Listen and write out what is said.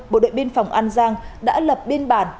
bộ đội biên phòng an giang đã lập biên bản